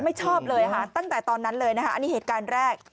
ชอบเลยค่ะตั้งแต่ตอนนั้นเลยนะคะอันนี้เหตุการณ์แรก